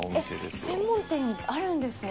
専門店あるんですね。